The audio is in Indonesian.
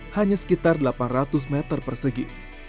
hanya sekitar delapan ratus meter persegi